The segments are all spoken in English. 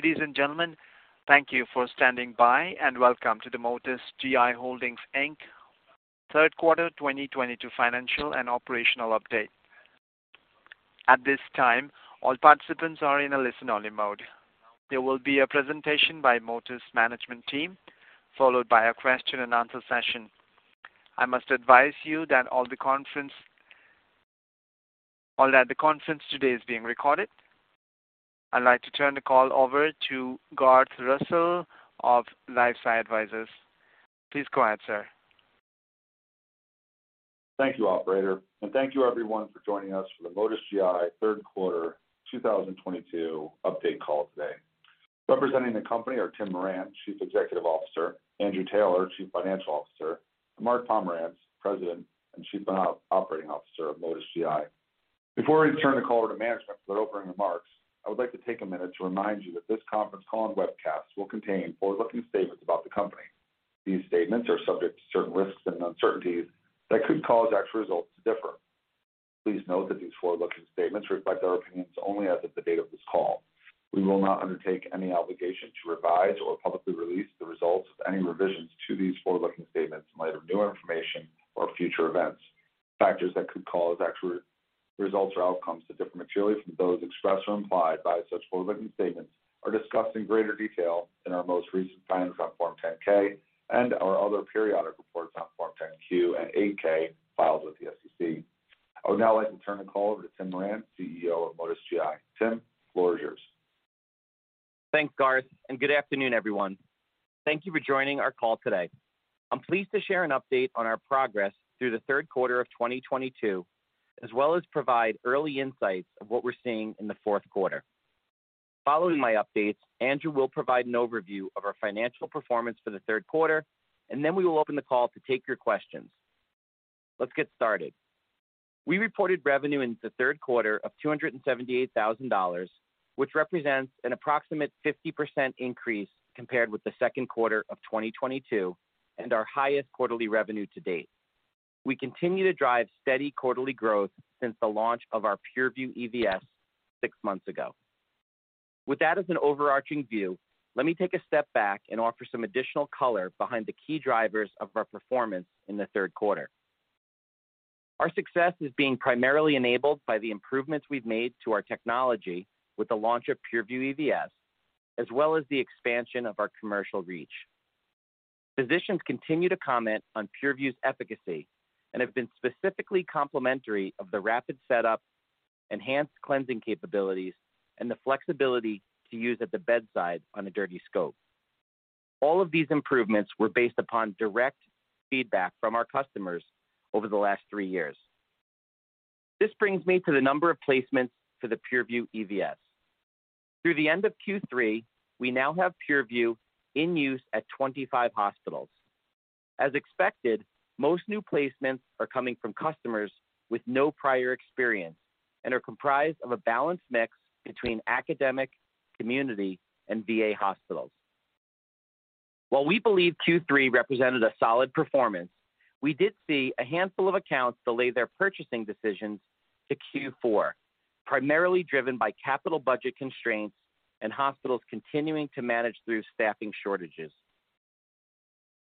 Ladies and gentlemen, thank you for standing by and welcome to the Motus GI Holdings, Inc. Third Quarter 2022 Financial and Operational Update. At this time, all participants are in a listen-only mode. There will be a presentation by Motus management team, followed by a question and answer session. I must advise you that all at the conference today is being recorded. I'd like to turn the call over to Garth Russell of LifeSci Advisors. Please go ahead, sir. Thank you, operator, and thank you everyone for joining us for the Motus GI third quarter 2022 update call today. Representing the company are Tim Moran, Chief Executive Officer, Andrew Taylor, Chief Financial Officer, and Mark Pomeranz, President and Chief Operating Officer of Motus GI. Before I turn the call over to management for their opening remarks, I would like to take a minute to remind you that this conference call and webcast will contain forward-looking statements about the company. These statements are subject to certain risks and uncertainties that could cause actual results to differ. Please note that these forward-looking statements reflect our opinions only as of the date of this call. We will not undertake any obligation to revise or publicly release the results of any revisions to these forward-looking statements in light of new information or future events. Factors that could cause actual results or outcomes to differ materially from those expressed or implied by such forward-looking statements are discussed in greater detail in our most recent filings on Form 10-K and our other periodic reports on Form 10-Q and 8-K filed with the SEC. I would now like to turn the call over to Tim Moran, CEO of Motus GI. Tim, the floor is yours. Thanks, Garth, and good afternoon, everyone. Thank you for joining our call today. I'm pleased to share an update on our progress through the third quarter of 2022, as well as provide early insights of what we're seeing in the fourth quarter. Following my updates, Andrew will provide an overview of our financial performance for the third quarter, and then we will open the call to take your questions. Let's get started. We reported revenue in the third quarter of $278,000, which represents an approximate 50% increase compared with the second quarter of 2022 and our highest quarterly revenue to date. We continue to drive steady quarterly growth since the launch of our Pure-Vu EVS six months ago. With that as an overarching view, let me take a step back and offer some additional color behind the key drivers of our performance in the third quarter. Our success is being primarily enabled by the improvements we've made to our technology with the launch of Pure-Vu EVS, as well as the expansion of our commercial reach. Physicians continue to comment on Pure-Vu's efficacy and have been specifically complimentary of the rapid setup, enhanced cleansing capabilities, and the flexibility to use at the bedside on a dirty scope. All of these improvements were based upon direct feedback from our customers over the last three years. This brings me to the number of placements for the Pure-Vu EVS. Through the end of Q3, we now have Pure-Vu in use at 25 hospitals. As expected, most new placements are coming from customers with no prior experience and are comprised of a balanced mix between academic, community, and VA hospitals. While we believe Q3 represented a solid performance, we did see a handful of accounts delay their purchasing decisions to Q4, primarily driven by capital budget constraints and hospitals continuing to manage through staffing shortages.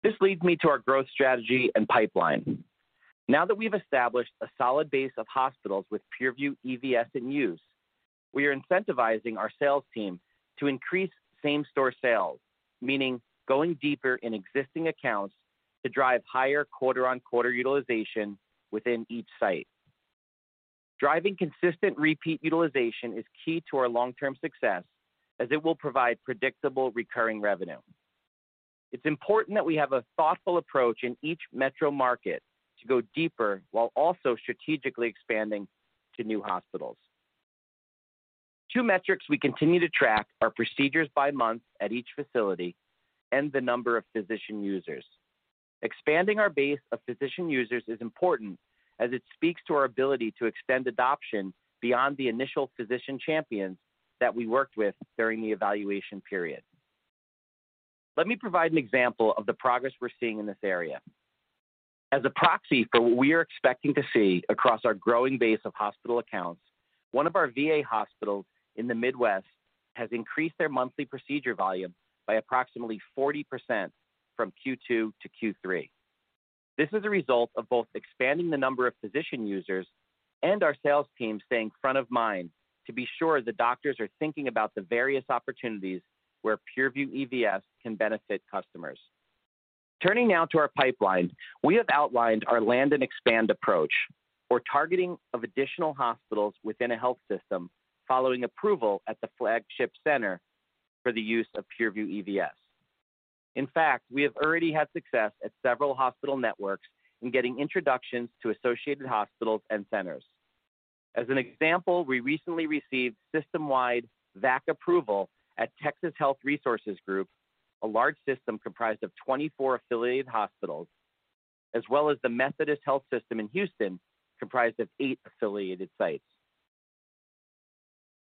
This leads me to our growth strategy and pipeline. Now that we've established a solid base of hospitals with Pure-Vu EVS in use, we are incentivizing our sales team to increase same-store sales, meaning going deeper in existing accounts to drive higher quarter-on-quarter utilization within each site. Driving consistent repeat utilization is key to our long-term success as it will provide predictable recurring revenue. It's important that we have a thoughtful approach in each metro market to go deeper while also strategically expanding to new hospitals. Two metrics we continue to track are procedures by month at each facility and the number of physician users. Expanding our base of physician users is important as it speaks to our ability to extend adoption beyond the initial physician champions that we worked with during the evaluation period. Let me provide an example of the progress we're seeing in this area. As a proxy for what we are expecting to see across our growing base of hospital accounts, one of our VA hospitals in the Midwest has increased their monthly procedure volume by approximately 40% from Q2 to Q3. This is a result of both expanding the number of physician users and our sales team staying front of mind to be sure the doctors are thinking about the various opportunities where Pure-Vu EVS can benefit customers. Turning now to our pipeline, we have outlined our land and expand approach. We're targeting additional hospitals within a health system following approval at the flagship center for the use of Pure-Vu EVS. In fact, we have already had success at several hospital networks in getting introductions to associated hospitals and centers. As an example, we recently received system-wide VAC approval at Texas Health Resources, a large system comprised of 24 affiliated hospitals, as well as Houston Methodist, comprised of 8 affiliated sites.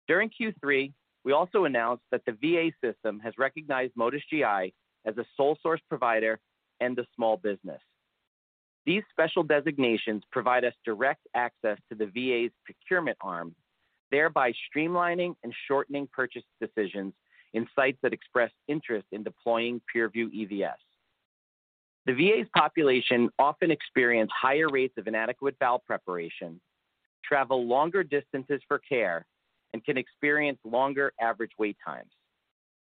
During Q3, we also announced that the VA system has recognized Motus GI as a sole source provider and a small business. These special designations provide us direct access to the VA's procurement arm, thereby streamlining and shortening purchase decisions in sites that express interest in deploying Pure-Vu EVS. The VA's population often experience higher rates of inadequate bowel preparation, travel longer distances for care, and can experience longer average wait times.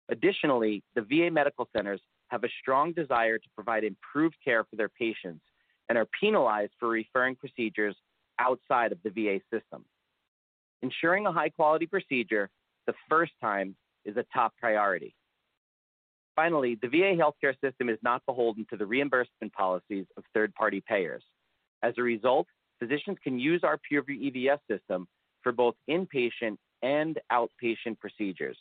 Additionally, the VA medical centers have a strong desire to provide improved care for their patients and are penalized for referring procedures outside of the VA system. Ensuring a high-quality procedure the first time is a top priority. Finally, the VA healthcare system is not beholden to the reimbursement policies of third-party payers. As a result, physicians can use our Pure-Vu EVS system for both inpatient and outpatient procedures.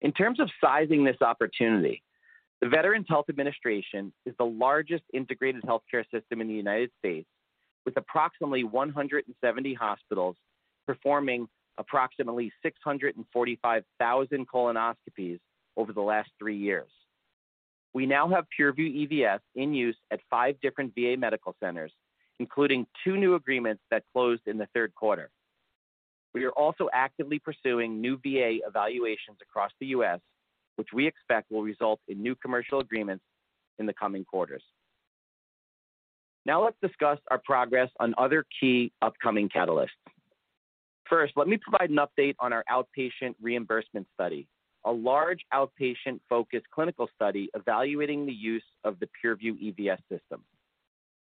In terms of sizing this opportunity, the Veterans Health Administration is the largest integrated healthcare system in the United States, with approximately 170 hospitals performing approximately 645,000 colonoscopies over the last three years. We now have Pure-Vu EVS in use at five different VA medical centers, including two new agreements that closed in the third quarter. We are also actively pursuing new VA evaluations across the U.S., which we expect will result in new commercial agreements in the coming quarters. Now let's discuss our progress on other key upcoming catalysts. First, let me provide an update on our outpatient reimbursement study, a large outpatient-focused clinical study evaluating the use of the Pure-Vu EVS system.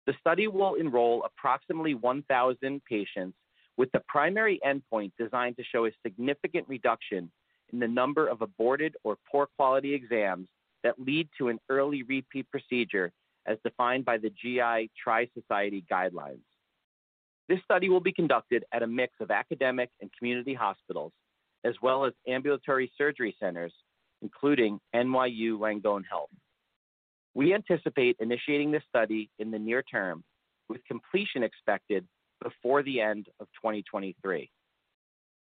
The study will enroll approximately 1,000 patients with the primary endpoint designed to show a significant reduction in the number of aborted or poor quality exams that lead to an early repeat procedure as defined by the GI Tri-Society guidelines. This study will be conducted at a mix of academic and community hospitals as well as ambulatory surgery centers, including NYU Langone Health. We anticipate initiating this study in the near term, with completion expected before the end of 2023.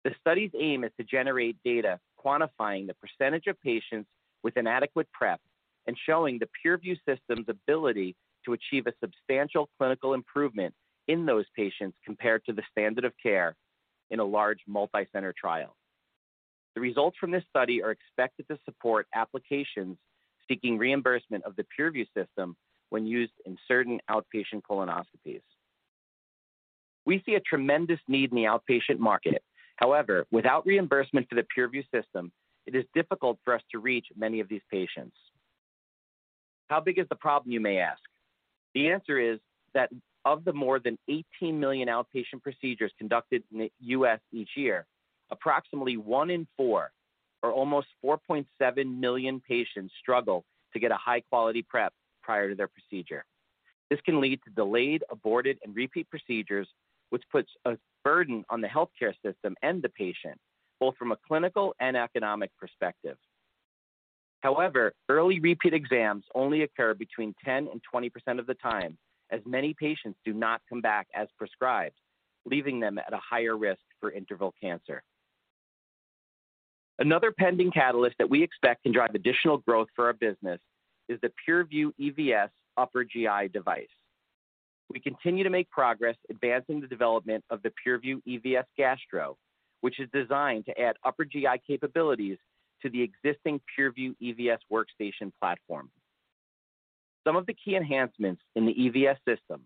The study's aim is to generate data quantifying the percentage of patients with inadequate prep and showing the Pure-Vu system's ability to achieve a substantial clinical improvement in those patients compared to the standard of care in a large multicenter trial. The results from this study are expected to support applications seeking reimbursement of the Pure-Vu system when used in certain outpatient colonoscopies. We see a tremendous need in the outpatient market. However, without reimbursement for the Pure-Vu system, it is difficult for us to reach many of these patients. How big is the problem, you may ask? The answer is that of the more than 18 million outpatient procedures conducted in the U.S. each year, approximately one in four or almost 4.7 million patients struggle to get a high-quality prep prior to their procedure. This can lead to delayed, aborted, and repeat procedures, which puts a burden on the healthcare system and the patient, both from a clinical and economic perspective. However, early repeat exams only occur between 10% and 20% of the time, as many patients do not come back as prescribed, leaving them at a higher risk for interval cancer. Another pending catalyst that we expect can drive additional growth for our business is the Pure-Vu EVS upper GI device. We continue to make progress advancing the development of the Pure-Vu EVS Gastro, which is designed to add upper GI capabilities to the existing Pure-Vu EVS workstation platform. Some of the key enhancements in the EVS system,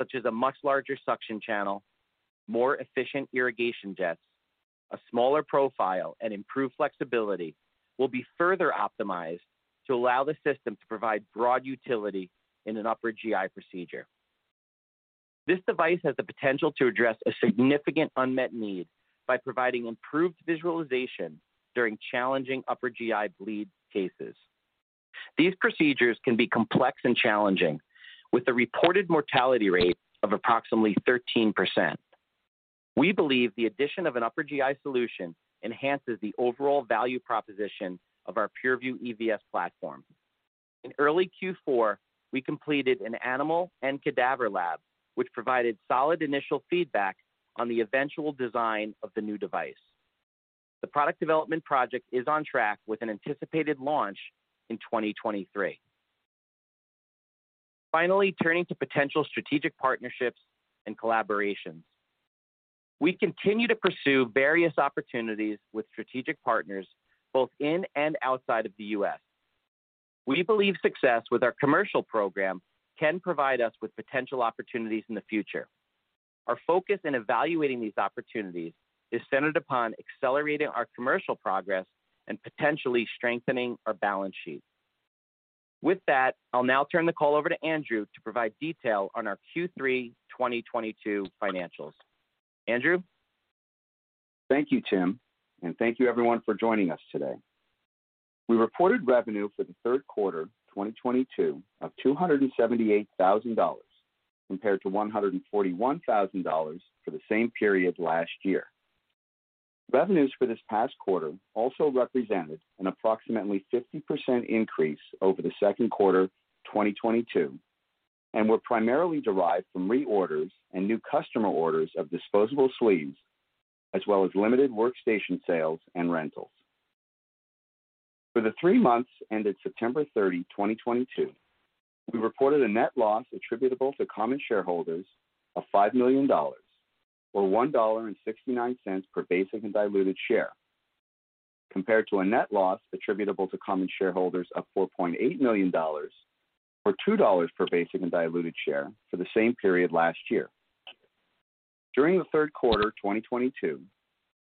such as a much larger suction channel, more efficient irrigation jets, a smaller profile, and improved flexibility, will be further optimized to allow the system to provide broad utility in an upper GI procedure. This device has the potential to address a significant unmet need by providing improved visualization during challenging upper GI bleed cases. These procedures can be complex and challenging, with a reported mortality rate of approximately 13%. We believe the addition of an upper GI solution enhances the overall value proposition of our Pure-Vu EVS platform. In early Q4, we completed an animal and cadaver lab, which provided solid initial feedback on the eventual design of the new device. The product development project is on track with an anticipated launch in 2023. Finally, turning to potential strategic partnerships and collaborations. We continue to pursue various opportunities with strategic partners both in and outside of the US. We believe success with our commercial program can provide us with potential opportunities in the future. Our focus in evaluating these opportunities is centered upon accelerating our commercial progress and potentially strengthening our balance sheet. With that, I'll now turn the call over to Andrew to provide detail on our Q3 2022 financials. Andrew? Thank you, Tim, and thank you everyone for joining us today. We reported revenue for the third quarter 2022 of $278,000 compared to $141,000 for the same period last year. Revenues for this past quarter also represented an approximately 50% increase over the second quarter 2022 and were primarily derived from reorders and new customer orders of disposable sleeves, as well as limited workstation sales and rentals. For the three months ended September 30, 2022, we reported a net loss attributable to common shareholders of $5 million or $1.69 per basic and diluted share, compared to a net loss attributable to common shareholders of $4.8 million or $2 per basic and diluted share for the same period last year. During the third quarter 2022,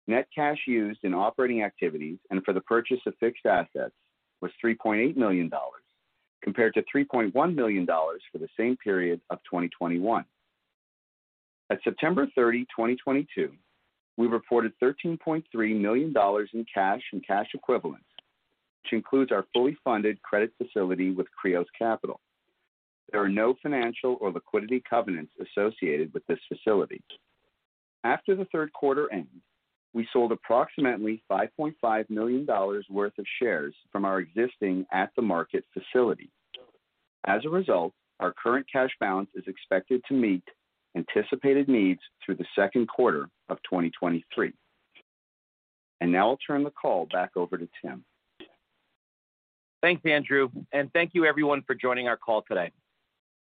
net cash used in operating activities and for the purchase of fixed assets was $3.8 million, compared to $3.1 million for the same period of 2021. At September 30, 2022, we reported $13.3 million in cash and cash equivalents, which includes our fully funded credit facility with Kreos Capital. There are no financial or liquidity covenants associated with this facility. After the third quarter end, we sold approximately $5.5 million worth of shares from our existing at-the-market facility. As a result, our current cash balance is expected to meet anticipated needs through the second quarter of 2023. Now I'll turn the call back over to Tim. Thanks, Andrew, and thank you everyone for joining our call today.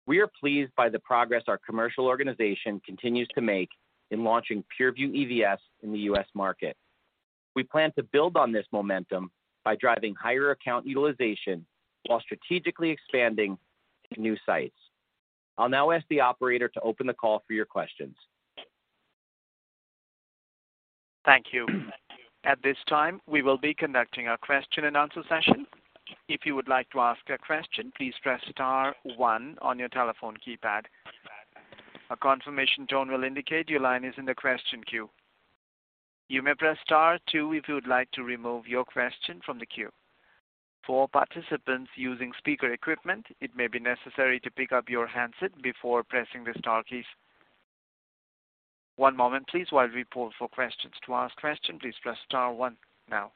We are pleased by the progress our commercial organization continues to make in launching Pure-Vu EVS in the U.S. market. We plan to build on this momentum by driving higher account utilization while strategically expanding new sites. I'll now ask the operator to open the call for your questions. Thank you. At this time, we will be conducting a question and answer session. If you would like to ask a question, please press star one on your telephone keypad. A confirmation tone will indicate your line is in the question queue. You may press star two if you would like to remove your question from the queue. For participants using speaker equipment, it may be necessary to pick up your handset before pressing the star keys. One moment please while we poll for questions. To ask question, please press star one now.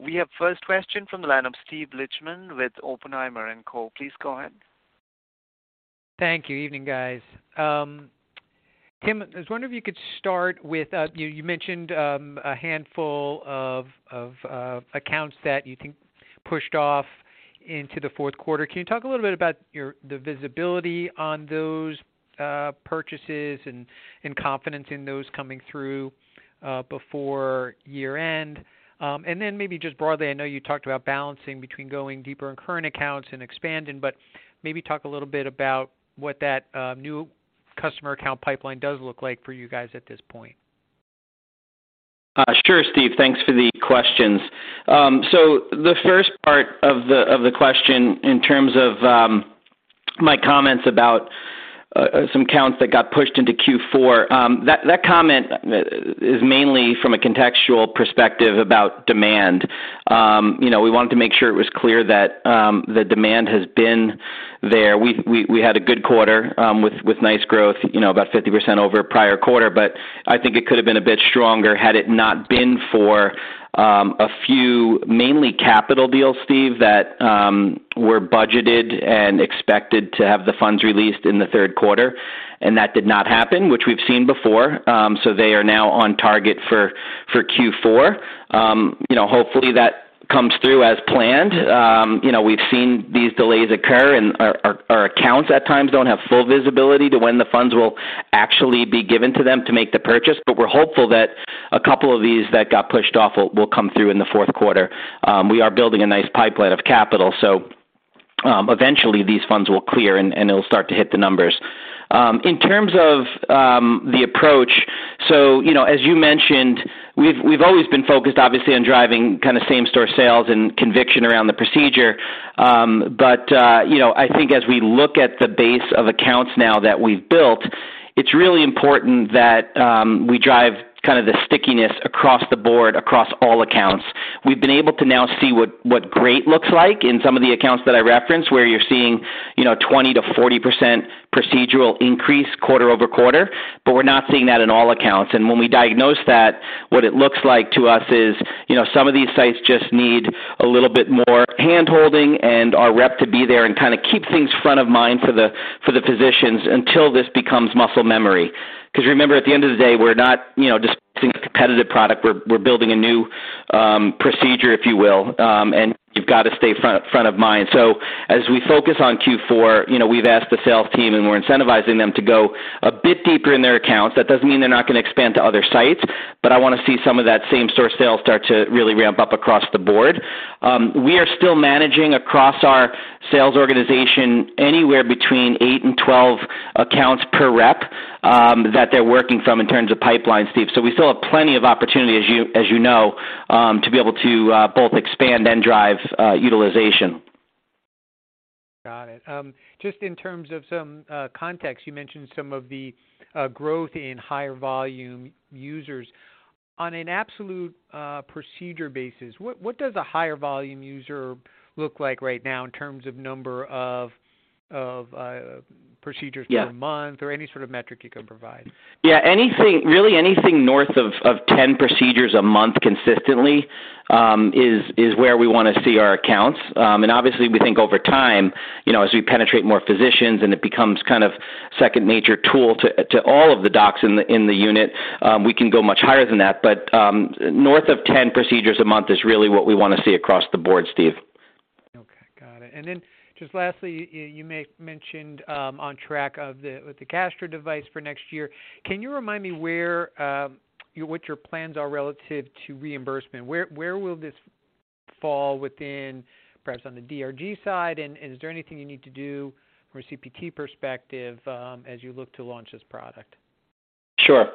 We have first question from the line of Steven Lichtman with Oppenheimer & Co. Please go ahead. Thank you. Evening, guys. Tim, I was wondering if you could start with you mentioned a handful of accounts that you think pushed off into the fourth quarter. Can you talk a little bit about the visibility on those purchases and confidence in those coming through before year end? Maybe just broadly, I know you talked about balancing between going deeper in current accounts and expanding, but maybe talk a little bit about what that new customer account pipeline does look like for you guys at this point. Sure, Steve. Thanks for the questions. So the first part of the question in terms of my comments about some accounts that got pushed into Q4, that comment is mainly from a contextual perspective about demand. You know, we wanted to make sure it was clear that the demand has been there. We had a good quarter with nice growth, you know, about 50% over prior quarter. I think it could have been a bit stronger had it not been for a few mainly capital deals, Steve, that were budgeted and expected to have the funds released in the third quarter. That did not happen, which we've seen before. They are now on target for Q4. You know, hopefully that comes through as planned. You know, we've seen these delays occur and our accounts at times don't have full visibility to when the funds will actually be given to them to make the purchase. We're hopeful that a couple of these that got pushed off will come through in the fourth quarter. We are building a nice pipeline of capital, so eventually these funds will clear and it'll start to hit the numbers. In terms of the approach, you know, as you mentioned, we've always been focused obviously on driving kinda same store sales and conviction around the procedure. You know, I think as we look at the base of accounts now that we've built, it's really important that we drive kind of the stickiness across the board, across all accounts. We've been able to now see what great looks like in some of the accounts that I referenced, where you're seeing, you know, 20%-40% procedural increase quarter-over-quarter. We're not seeing that in all accounts. When we diagnose that, what it looks like to us is, you know, some of these sites just need a little bit more hand-holding and our rep to be there and kinda keep things front of mind for the physicians until this becomes muscle memory. Because remember, at the end of the day, we're not, you know, just a competitive product. We're building a new procedure if you will. You've got to stay front of mind. As we focus on Q4, you know, we've asked the sales team and we're incentivizing them to go a bit deeper in their accounts. That doesn't mean they're not gonna expand to other sites, but I wanna see some of that same store sales start to really ramp up across the board. We are still managing across our sales organization anywhere between eight and 12 accounts per rep that they're working from in terms of pipeline, Steve. We still have plenty of opportunity, as you know, to be able to both expand and drive utilization. Got it. Just in terms of some context, you mentioned some of the growth in higher volume users. On an absolute procedure basis, what does a higher volume user look like right now in terms of number of procedures per month? Yeah. Any sort of metric you can provide? Yeah, anything, really anything north of 10 procedures a month consistently is where we wanna see our accounts. Obviously we think over time, you know, as we penetrate more physicians and it becomes kind of second nature tool to all of the docs in the unit, we can go much higher than that. North of 10 procedures a month is really what we wanna see across the board, Steve. Okay. Got it. Just lastly, you mentioned on track with the Gastro device for next year. Can you remind me where, what your plans are relative to reimbursement? Where will this fall within, perhaps on the DRG side, and is there anything you need to do from a CPT perspective, as you look to launch this product? Sure.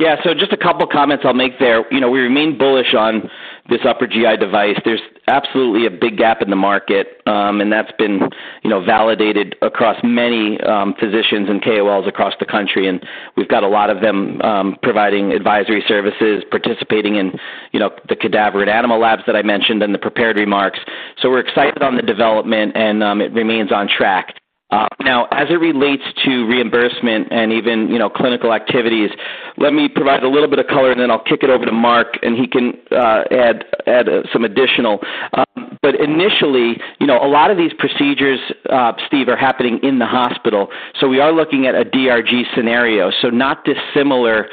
Yeah. Just a couple of comments I'll make there. You know, we remain bullish on this upper GI device. There's absolutely a big gap in the market, and that's been, you know, validated across many physicians and KOLs across the country. We've got a lot of them providing advisory services, participating in, you know, the cadaver and animal labs that I mentioned in the prepared remarks. We're excited on the development, and it remains on track. Now, as it relates to reimbursement and even, you know, clinical activities, let me provide a little bit of color, and then I'll kick it over to Mark, and he can add some additional. But initially, you know, a lot of these procedures, Steve, are happening in the hospital. We are looking at a DRG scenario, not dissimilar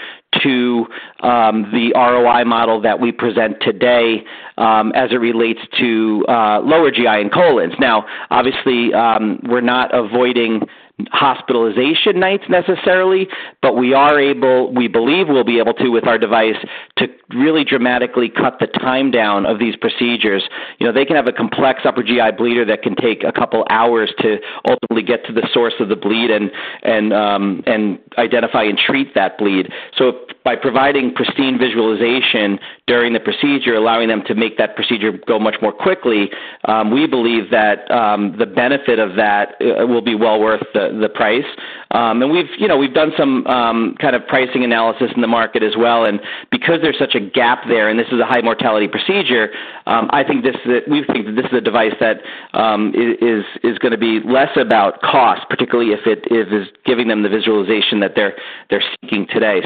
to the ROI model that we present today, as it relates to lower GI and colons. Now, obviously, we're not avoiding hospitalization nights necessarily, but we believe we'll be able to with our device to really dramatically cut the time down of these procedures. You know, they can have a complex upper GI bleeder that can take a couple hours to ultimately get to the source of the bleed and identify and treat that bleed. By providing pristine visualization during the procedure, allowing them to make that procedure go much more quickly, we believe that the benefit of that it will be well worth the price. And we've, you know, we've done some kind of pricing analysis in the market as well. Because there's such a gap there, and this is a high mortality procedure, we think that this is a device that is gonna be less about cost, particularly if it is giving them the visualization that they're seeking today.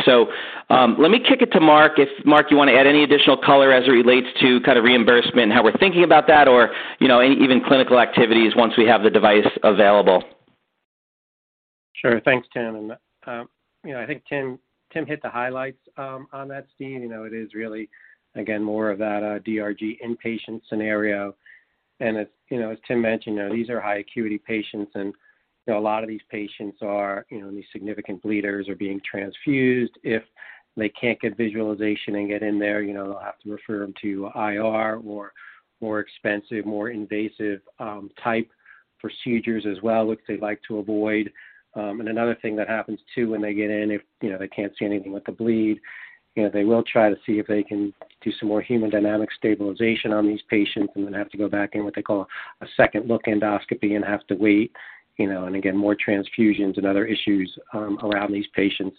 Let me kick it to Mark. If Mark, you wanna add any additional color as it relates to kind of reimbursement and how we're thinking about that or, you know, any even clinical activities once we have the device available. Sure. Thanks, Tim. You know, I think Tim hit the highlights on that, Steve. You know, it is really, again, more of that DRG inpatient scenario. As you know, as Tim mentioned, you know, these are high acuity patients and, you know, a lot of these patients are, you know, these significant bleeders are being transfused. If they can't get visualization and get in there, you know, they'll have to refer them to IR or more expensive, more invasive type procedures as well, which they like to avoid. Another thing that happens, too, when they get in, if you know they can't see anything with the bleed, you know, they will try to see if they can do some more hemodynamic stabilization on these patients and then have to go back in what they call a second look endoscopy and have to wait, you know, and again, more transfusions and other issues around these patients.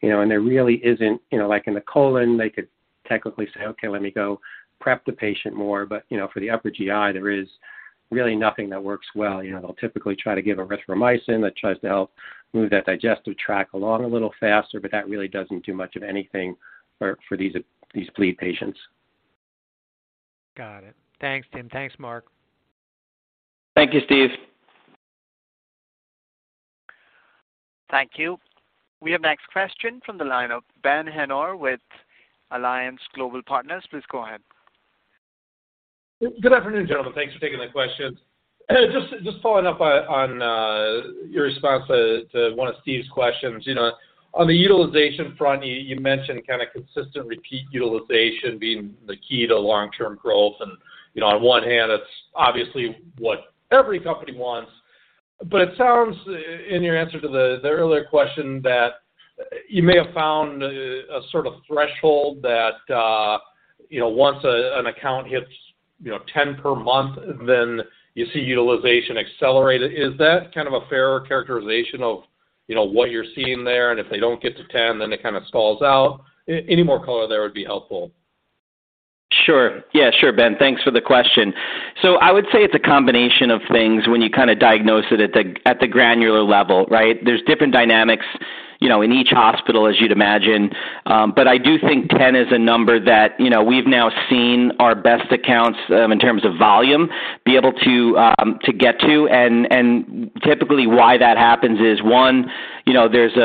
You know, there really isn't. You know, like in the colon, they could technically say, "Okay, let me go prep the patient more." You know, for the upper GI, there is really nothing that works well. You know, they'll typically try to give erythromycin that tries to help move that digestive tract along a little faster, but that really doesn't do much of anything for these bleed patients. Got it. Thanks, Tim. Thanks, Mark. Thank you, Steve. Thank you. We have next question from the line of Ben Haynor with Alliance Global Partners. Please go ahead. Good afternoon, gentlemen. Thanks for taking the questions. Just following up on your response to one of Steve's questions. You know, on the utilization front, you mentioned kinda consistent repeat utilization being the key to long-term growth. You know, on one hand, it's obviously what every company wants. It sounds in your answer to the earlier question that you may have found a sort of threshold that, you know, once an account hits, you know, 10 per month, then you see utilization accelerated. Is that kind of a fair characterization of, you know, what you're seeing there? If they don't get to 10, then it kind of stalls out. Any more color there would be helpful. Sure. Yeah, sure, Ben. Thanks for the question. I would say it's a combination of things when you kinda diagnose it at the granular level, right? There's different dynamics, you know, in each hospital, as you'd imagine. I do think 10 is a number that, you know, we've now seen our best accounts in terms of volume be able to to get to. Typically why that happens is, one, you know, there's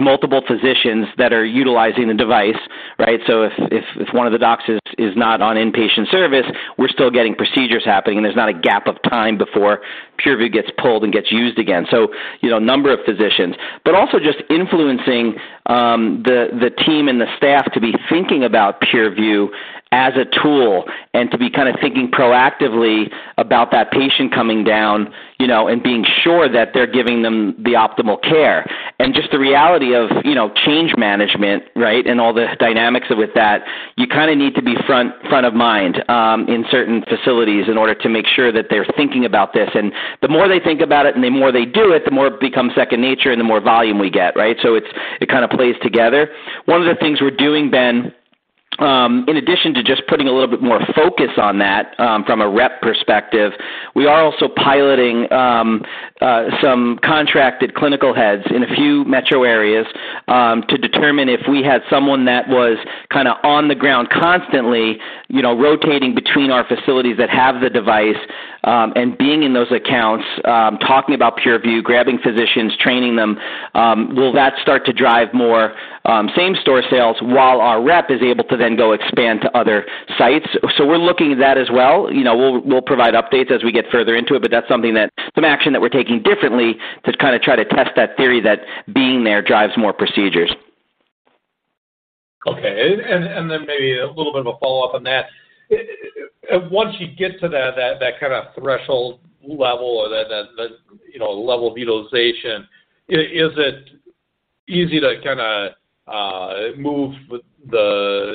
multiple physicians that are utilizing the device, right? If one of the docs is not on inpatient service, we're still getting procedures happening, and there's not a gap of time before Pure-Vu gets pulled and gets used again. You know, number of physicians. Also just influencing the team and the staff to be thinking about Pure-Vu as a tool and to be kinda thinking proactively about that patient coming down, you know, and being sure that they're giving them the optimal care. Just the reality of, you know, change management, right, and all the dynamics with that, you kinda need to be front of mind in certain facilities in order to make sure that they're thinking about this. The more they think about it and the more they do it, the more it becomes second nature and the more volume we get, right? It kinda plays together. One of the things we're doing, Ben, in addition to just putting a little bit more focus on that, from a rep perspective, we are also piloting some contracted clinical heads in a few metro areas, to determine if we had someone that was kinda on the ground constantly, you know, rotating between our facilities that have the device, and being in those accounts, talking about Pure-Vu, grabbing physicians, training them, will that start to drive more same store sales while our rep is able to then go expand to other sites. We're looking at that as well. You know, we'll provide updates as we get further into it, but that's something that some action that we're taking differently to kinda try to test that theory that being there drives more procedures. Okay. Maybe a little bit of a follow-up on that. Once you get to that kind of threshold level or that, you know, level of utilization, is it easy to kinda move with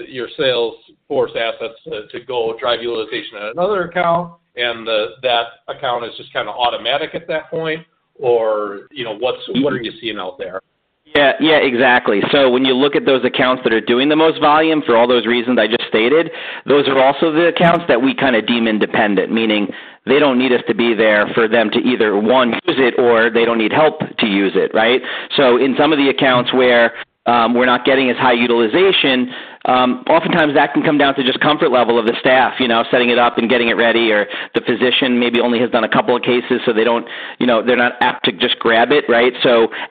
your sales force assets to go drive utilization at another account and that account is just kinda automatic at that point, or, you know, what are you seeing out there? Yeah. Yeah, exactly. When you look at those accounts that are doing the most volume for all those reasons I just stated, those are also the accounts that we kinda deem independent. Meaning they don't need us to be there for them to either, one, use it or they don't need help to use it, right? In some of the accounts where we're not getting as high utilization, oftentimes that can come down to just comfort level of the staff, you know, setting it up and getting it ready, or the physician maybe only has done a couple of cases, so they don't, you know, they're not apt to just grab it, right?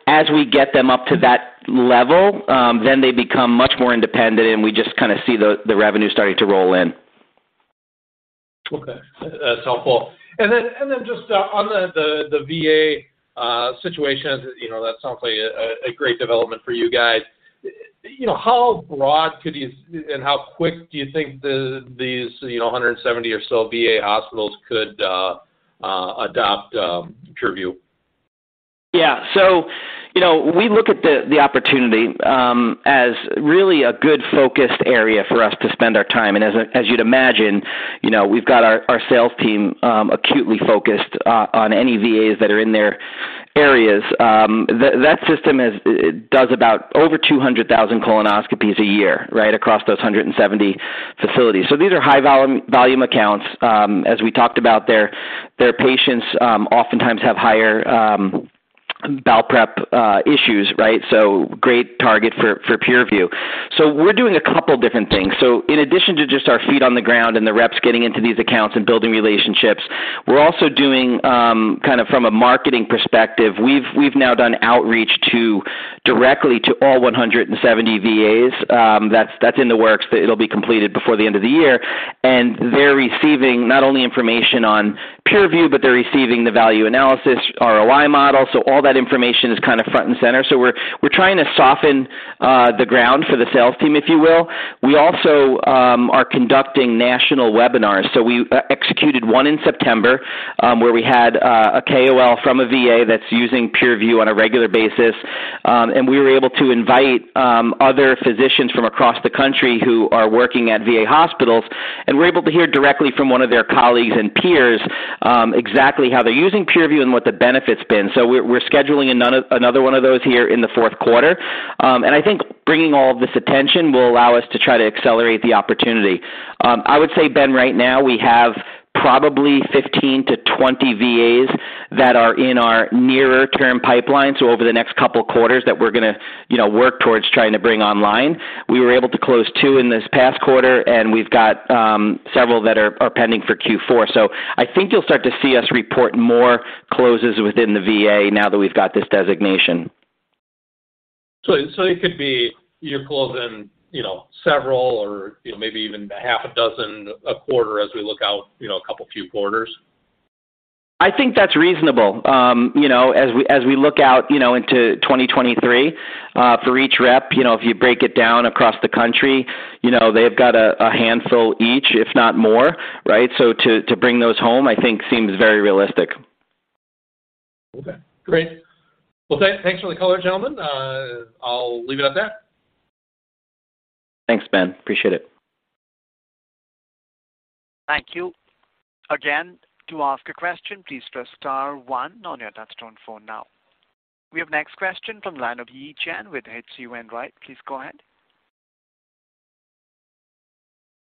As we get them up to that level, then they become much more independent, and we just kinda see the revenue starting to roll in. Okay. That's helpful. Then just on the VA situation, you know, that sounds like a great development for you guys. You know, how broad could you. How quick do you think these 170 or so VA hospitals could adopt Pure-Vu? Yeah. You know, we look at the opportunity as really a good focused area for us to spend our time. As you'd imagine, you know, we've got our sales team acutely focused on any VAs that are in their areas. That system does about over 200,000 colonoscopies a year, right? Across those 170 facilities. These are high volume accounts. As we talked about, their patients oftentimes have higher bowel prep issues, right? Great target for Pure-Vu. We're doing a couple different things. In addition to just our feet on the ground and the reps getting into these accounts and building relationships, we're also doing kind of from a marketing perspective. We've now done outreach directly to all 170 VAs, that's in the works. It'll be completed before the end of the year. They're receiving not only information on Pure-Vu, but they're receiving the value analysis ROI model. All that information is kinda front and center. We're trying to soften the ground for the sales team, if you will. We also are conducting national webinars. We executed one in September, where we had a KOL from a VA that's using Pure-Vu on a regular basis. We were able to invite other physicians from across the country who are working at VA hospitals, and we're able to hear directly from one of their colleagues and peers exactly how they're using Pure-Vu and what the benefit's been. We're scheduling another one of those here in the fourth quarter. I think bringing all of this attention will allow us to try to accelerate the opportunity. I would say, Ben, right now we have probably 15-20 VAs that are in our near-term pipeline, so over the next couple quarters that we're gonna, you know, work towards trying to bring online. We were able to close two in this past quarter, and we've got several that are pending for Q4. I think you'll start to see us report more closes within the VA now that we've got this designation. It could be you're closing, you know, several or, you know, maybe even half a dozen a quarter as we look out, you know, a couple of few quarters. I think that's reasonable. You know, as we look out, you know, into 2023, for each rep, you know, if you break it down across the country, you know, they've got a handful each, if not more, right? To bring those home, I think seems very realistic. Okay, great. Well, thanks for the color, gentlemen. I'll leave it at that. Thanks, Ben. Appreciate it. Thank you. Again, to ask a question, please press star one on your touchtone phone now. We have next question from the line of Yi Chen with H.C. Wainwright. Please go ahead.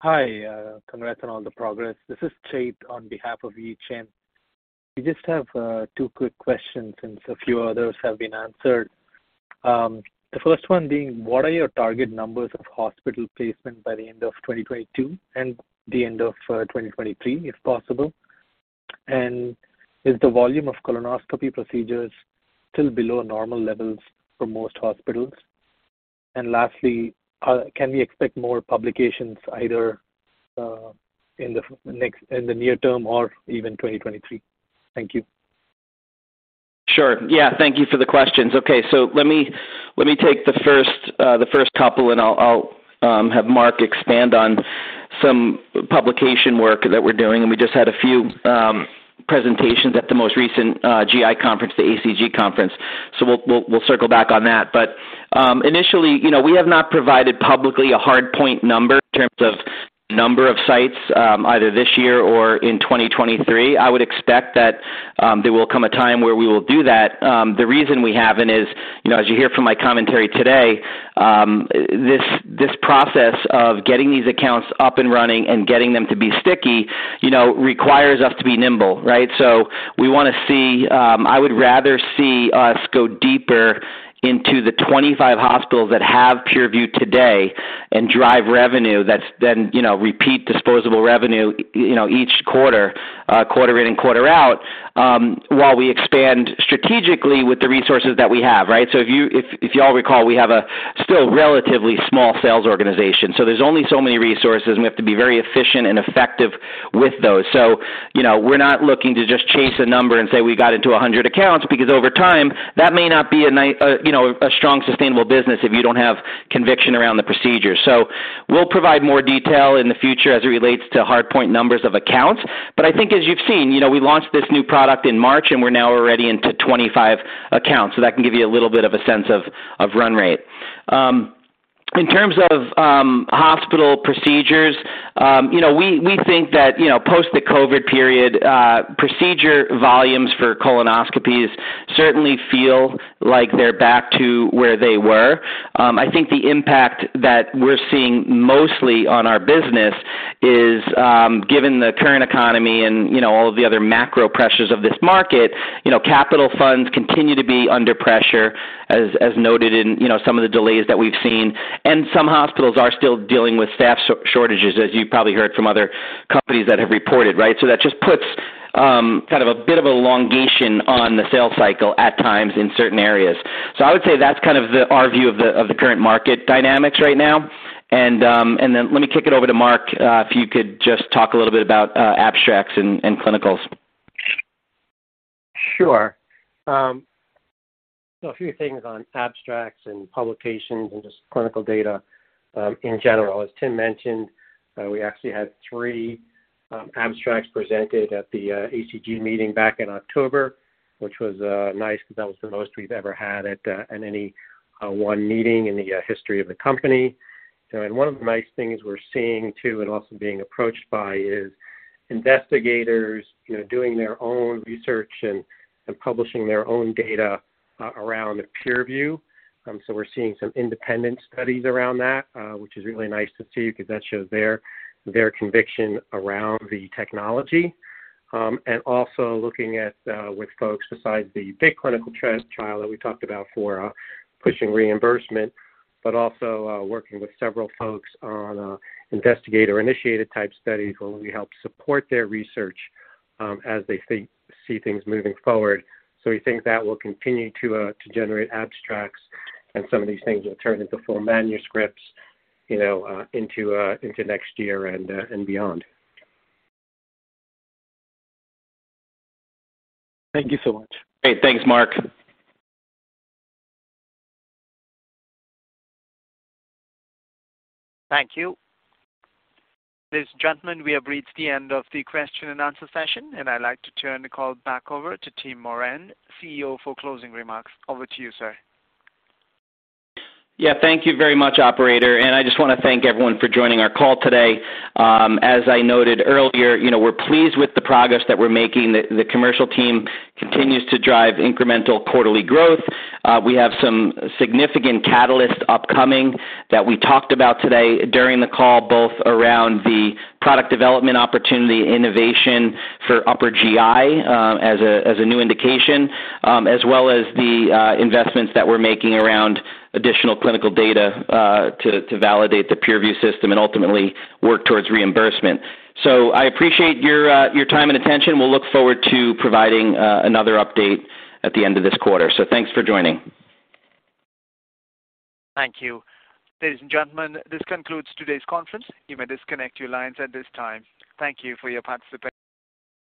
Hi. Congrats on all the progress. This is Chait on behalf of Yi Chen. We just have two quick questions since a few others have been answered. The first one being, what are your target numbers of hospital placement by the end of 2022 and the end of 2023, if possible? And is the volume of colonoscopy procedures still below normal levels for most hospitals? And lastly, can we expect more publications either in the near term or even 2023? Thank you. Sure. Yeah, thank you for the questions. Okay, let me take the first couple and I'll have Mark expand on some publication work that we're doing. We just had a few presentations at the most recent GI conference, the ACG conference. We'll circle back on that. Initially, you know, we have not provided publicly a hard point number in terms of number of sites either this year or in 2023. I would expect that there will come a time where we will do that. The reason we haven't is, you know, as you hear from my commentary today, this process of getting these accounts up and running and getting them to be sticky, you know, requires us to be nimble, right? We wanna see. I would rather see us go deeper into the 25 hospitals that have Pure-Vu today and drive revenue that's then, you know, repeat disposable revenue, you know, each quarter in and quarter out, while we expand strategically with the resources that we have, right? If you all recall, we have a still relatively small sales organization, so there's only so many resources, and we have to be very efficient and effective with those. You know, we're not looking to just chase a number and say we got into 100 accounts because over time, that may not be a you know, a strong, sustainable business if you don't have conviction around the procedure. We'll provide more detail in the future as it relates to hard point numbers of accounts. I think as you've seen, you know, we launched this new product in March, and we're now already into 25 accounts, so that can give you a little bit of a sense of run rate. In terms of hospital procedures, you know, we think that, you know, post the COVID period, procedure volumes for colonoscopies certainly feel like they're back to where they were. I think the impact that we're seeing mostly on our business is given the current economy and, you know, all of the other macro pressures of this market, you know, capital funds continue to be under pressure, as noted in, you know, some of the delays that we've seen. Some hospitals are still dealing with staff shortages, as you probably heard from other companies that have reported, right? That just puts kind of a bit of elongation on the sales cycle at times in certain areas. I would say that's kind of our view of the current market dynamics right now. Then let me kick it over to Mark, if you could just talk a little bit about abstracts and clinicals. Sure. A few things on abstracts and publications and just clinical data in general. As Tim mentioned, we actually had three abstracts presented at the ACG meeting back in October, which was nice because that was the most we've ever had at any one meeting in the history of the company. One of the nice things we're seeing too and also being approached by is investigators, you know, doing their own research and publishing their own data around the Pure-Vu. We're seeing some independent studies around that, which is really nice to see because that shows their conviction around the technology. And also looking at with folks besides the big clinical trial that we talked about for pushing reimbursement. Also, working with several folks on investigator-initiated type studies where we help support their research as they see things moving forward. We think that will continue to generate abstracts and some of these things will turn into full manuscripts, you know, into next year and beyond. Thank you so much. Great. Thanks, Mark. Thank you. Ladies and gentlemen, we have reached the end of the question and answer session, and I'd like to turn the call back over to Tim Moran, CEO, for closing remarks. Over to you, sir. Yeah. Thank you very much, operator. I just wanna thank everyone for joining our call today. As I noted earlier, you know, we're pleased with the progress that we're making. The commercial team continues to drive incremental quarterly growth. We have some significant catalysts upcoming that we talked about today during the call, both around the product development opportunity, innovation for upper GI, as a new indication, as well as the investments that we're making around additional clinical data, to validate the Pure-Vu system and ultimately work towards reimbursement. I appreciate your time and attention. We'll look forward to providing another update at the end of this quarter. Thanks for joining. Thank you. Ladies and gentlemen, this concludes today's conference. You may disconnect your lines at this time. Thank you for your participation.